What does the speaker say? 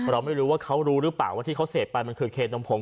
เราไม่รู้ว่าเขารู้หรือเปล่าว่าที่เขาเสพไปมันคือเคนมผง